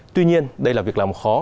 tuy nhiên đây là việc làm khó